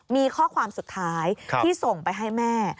มีข้อความสุดท้ายที่ส่งไปให้แม่